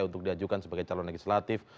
untuk diajukan sebagai calon legislatif